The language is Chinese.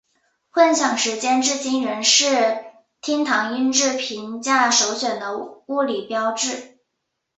混响时间至今仍是厅堂音质评价首选的物理指标。